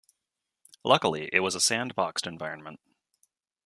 Luckily it was a sandboxed environment.